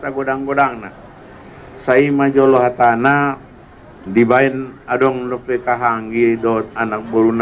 kita gudang gudang naik saiman joloha tanah dibayang adonan lukita hanggir dot anak burun